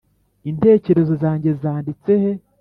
intekerezo zange zanditse he?